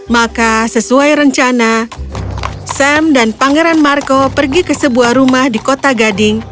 maka sesuai rencana sam dan pangeran marco pergi ke sebuah rumah di kota gading